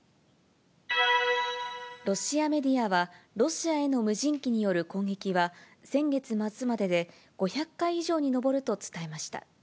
ロシアメディアは、ロシアへの無人機による攻撃は、先月末までで５００回以上に上ると伝えました。